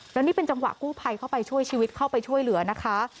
แล้วนี่เป็นจังหวะกู้ภัยเข้าไปช่วยชีวิตเข้าไปช่วยเหลือนะคะ